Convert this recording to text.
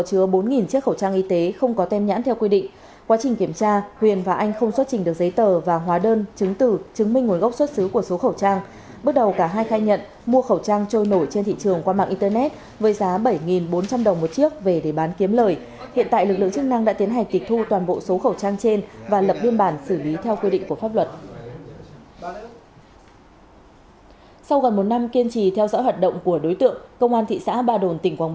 sau gần một năm kiên trì theo dõi hoạt động của đối tượng công an thị xã ba đồn tỉnh quảng bình vừa triệt phá điểm mua bán trái phép chất ma túy trên địa bàn